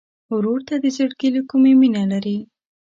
ورور ته د زړګي له کومي مینه لرې.